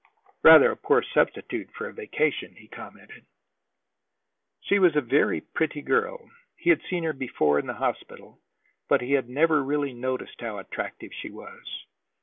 "Rather a poor substitute for a vacation," he commented. She was a very pretty girl. He had seen her before in the hospital, but he had never really noticed how attractive she was.